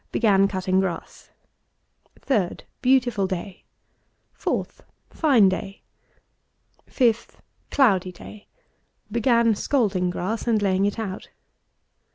Began cutting grass. 3d. Beautiful day. 4th. Fine day. 5th. Cloudy day _Began scalding grass, and laying it out.